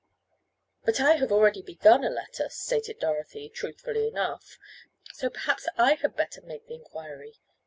"But I have already begun a letter," stated Dorothy, truthfully enough, "so perhaps I had better make the inquiry.